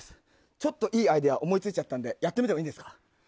ちょっといいアイデアを思いついちゃったのでやってみてもいいですか？